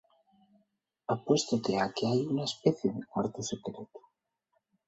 Apuéstote a qu'hai una especie de cuartu secretu.